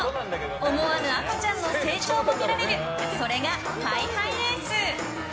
思わぬ赤ちゃんの成長も見られるそれがハイハイレース。